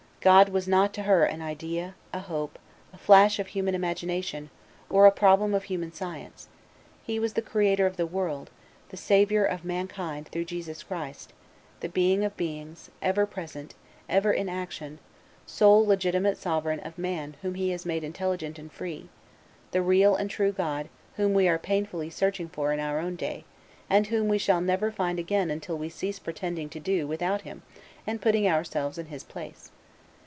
God was not to her an idea, a hope, a flash of human imagination, or a problem of human science; He was the Creator of the world, the Saviour of mankind through Jesus Christ, the Being of beings, ever present, ever in action, sole legitimate sovereign of man whom He has made intelligent and free, the real and true God whom we are painfully searching for in our own day, and whom we shall never find again until we cease pretending to do without Him and putting ourselves in His place.